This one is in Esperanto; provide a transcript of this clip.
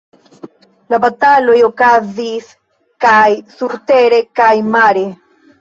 La bataloj okazis kaj surtere kaj mare.